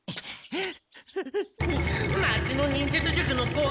えっ？